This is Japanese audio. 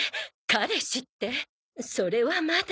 彼氏ってそれはまだ。